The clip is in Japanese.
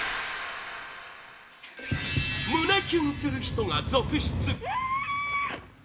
胸キュンする人が続出！